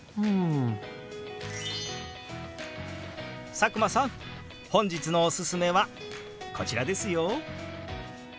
佐久間さん本日のおすすめはこちらですよ。